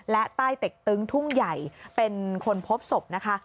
และใต้เต็กตึงทุ่งใหญ่เป็นคนพบศพนะคะ